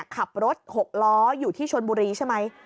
ขับรถ๖ล้ออยู่ที่ชนบุรีใช่ไหม